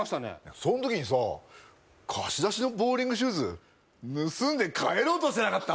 そん時にさ貸し出しのボウリングシューズ盗んで帰ろうとしてなかった？